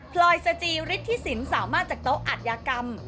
พลอยสจิฤทธิสินสามารถจากโต๊ะอัธยากรรม